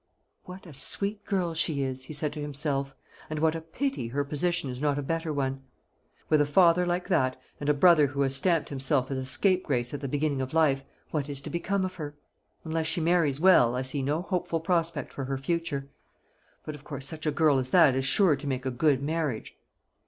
"What a sweet girl she is!" he said to himself; "and what a pity her position is not a better one! With a father like that, and a brother who has stamped himself as a scapegrace at the beginning of life, what is to become of her? Unless she marries well, I see no hopeful prospect for her future. But of course such a girl as that is sure to make a good marriage."